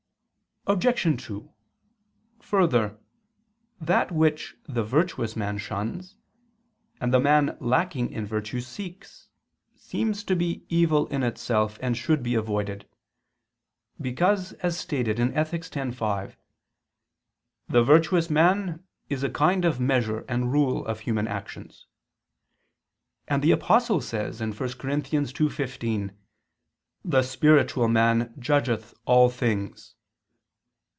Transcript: Obj. 2: Further, that which the virtuous man shuns, and the man lacking in virtue seeks, seems to be evil in itself, and should be avoided; because, as stated in Ethic. x, 5 "the virtuous man is a kind of measure and rule of human actions"; and the Apostle says (1 Cor. 2:15): "The spiritual man judgeth all things."